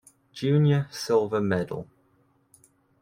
Junior silver medal.